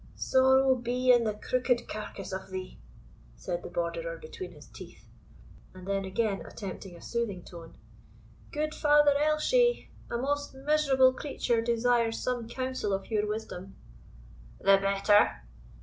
"Sorrow be in the crooked carcass of thee!" said the Borderer between his teeth; and then again attempting a soothing tone, "Good Father Elshie, a most miserable creature desires some counsel of your wisdom." "The better!"